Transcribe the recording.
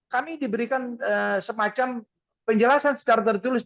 kami diberikan semacam penjelasan secara tertulis